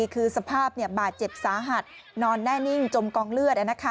คือสภาพบาดเจ็บสาหัสนอนแน่นิ่งจมกองเลือด